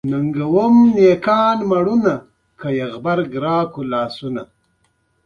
جرګې چې هر څه فيصله درکړې بايد وې منې.